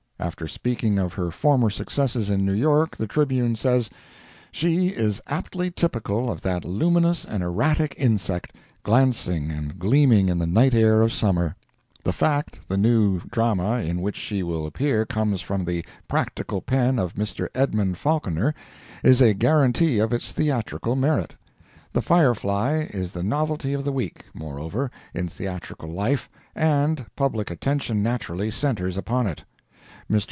After speaking of her former successes in New York, the Tribune says: "She is aptly typical of that luminous and erratic insect, glancing and gleaming in the night air of summer. The fact the new drama in which she will appear comes from the practiced pen of Mr. Edmund Falconer, is a guarantee of its theatrical merit. 'The Fire Fly' is the novelty of the week, moreover, in theatrical life, and public attention naturally centres upon it. Mr.